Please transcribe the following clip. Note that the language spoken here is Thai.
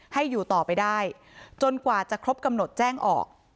ให้อยู่ต่อไปได้จนกว่าจะครบกำหนดแจ้งออก